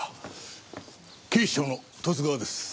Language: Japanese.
警視庁の十津川です。